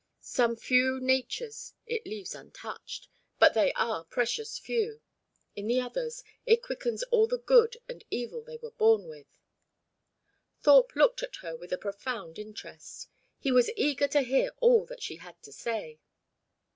Some few natures it leaves untouched but they are precious few. In the others, it quickens all the good and evil they were born with." Thorpe looked at her with a profound interest. He was eager to hear all that she had to say.